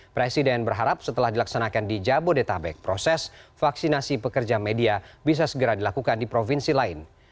presiden berharap setelah dilaksanakan di jabodetabek proses vaksinasi pekerja media bisa segera dilakukan di provinsi lain